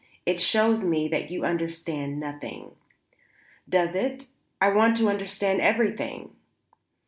It shows me that you understand nothing." "Does it? I want to understand everything."